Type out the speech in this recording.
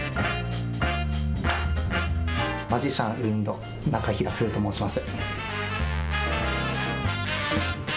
マジシャンウィンド、中平風と申します。